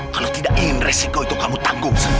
kalau tidak ingin resiko itu kamu tanggung